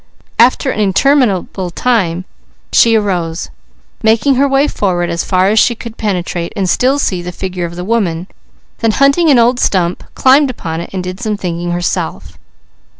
After an interminable time she arose, making her way forward as far as she could penetrate and still see the figure of the woman, then hunting an old stump, climbed upon it and did some thinking herself.